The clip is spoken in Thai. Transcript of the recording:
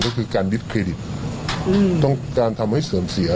ก็คือการดิสเครดิตต้องการทำให้เสื่อมเสีย